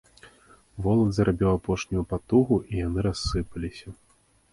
Волат зрабіў апошнюю патугу, і яны рассыпаліся.